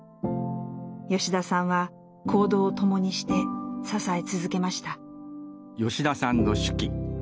吉田さんは行動を共にして支え続けました。